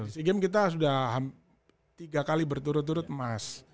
sea games kita sudah tiga kali berturut turut emas